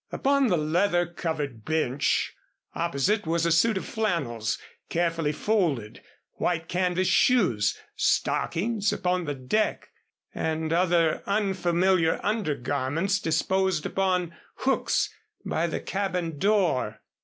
Upon the leather covered bench opposite was a suit of flannels carefully folded, white canvas shoes, stockings upon the deck, and other unfamiliar undergarments disposed upon hooks by the cabin door.